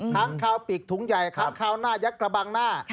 คาวปีกถุงใหญ่ค้างคาวหน้ายักษ์กระบังหน้า